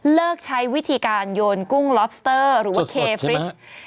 เลือกใช้วิธีการโยนกุ้งลอบสเตอร์หรือว่าเคฟริช